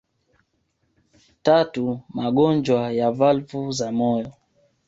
Tatu magonjwa ya valvu za moyo